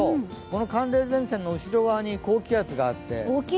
この寒冷前線の後ろ側に高気圧があって。